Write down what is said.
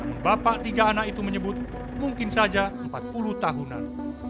bapak tiga anak itu menyebut mungkin saja empat puluh tahunan